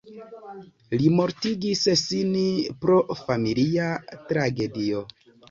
Li mortigis sin pro familia tragedio.